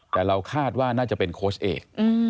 แต่เราคาดว่าน่าจะเป็นโค้ชเอก